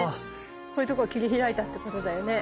こういうとこ切り開いたってことだよね。